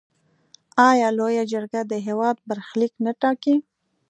آیا لویه جرګه د هیواد برخلیک نه ټاکي؟